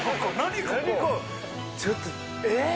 ちょっとえっ？